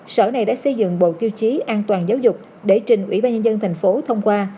sở này đã xây dựng bộ tiêu chí an toàn giáo dục để trình ủy ban nhân dân thành phố thông qua